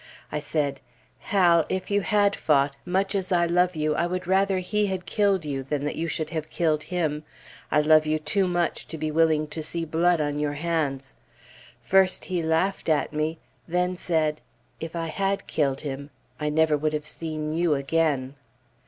I said, "Hal, if you had fought, much as I love you, I would rather he had killed you than that you should have killed him. I love you too much to be willing to see blood on your hands." First he laughed at me, then said, "If I had killed him, I never would have seen you again."